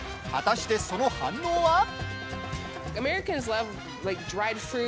果たして、その反応は？